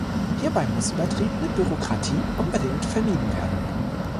Hierbei muss übertriebene Bürokratie unbedingt vermieden werden.